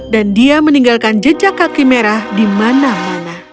dan dia meninggalkan jejak kaki merah di mana mana